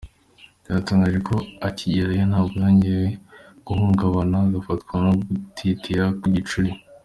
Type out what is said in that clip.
Byatangajwe ko akigerayo nabwo yongeye guhungabana agafatwa no gutitira kw’igicuri.